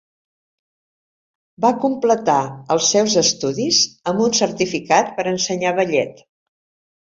Va completar els seus estudis amb un certificat per ensenyar ballet.